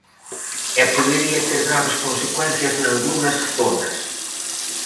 E podería ter graves consecuencias nalgunhas zonas.